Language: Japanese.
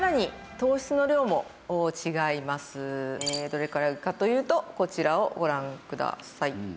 どれくらいかというとこちらをご覧ください。